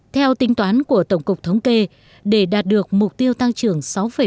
theo tính toán của tổng cục thống kê để đạt được mục tiêu tăng trưởng sáu bảy